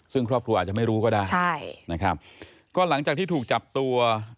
ซึ่งครอบครัวอาจจะไม่รู้ก็ได้ใช่นะครับก็หลังจากที่ถูกจับตัว